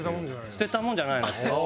捨てたもんじゃないな。